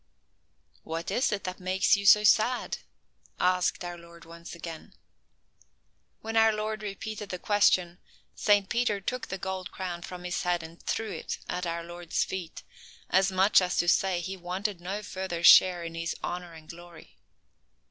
"What is it that makes you so sad?" asked our Lord once again. When our Lord repeated the question, Saint Peter took the gold crown from his head and threw it at our Lord's feet, as much as to say he wanted no further share in His honor and glory.